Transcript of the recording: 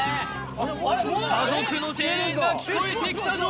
家族の声援が聞こえてきたぞ